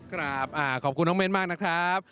ขอบคุณน้องเม้นมากนะครับ